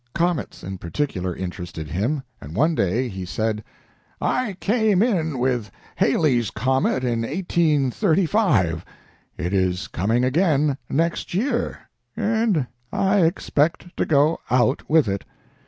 Comets in particular interested him, and one day he said: "I came in with Halley's comet in 1835. It is coming again next year, and I expect to go out with it.